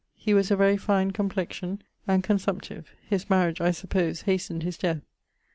He was a very fine complexion and consumptive. His mariage, I suppose, hastened his death.